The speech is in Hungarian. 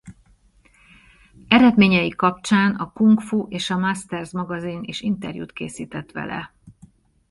Eredményei kapcsán a Kung Fu és a Masters magazin is interjút készített vele.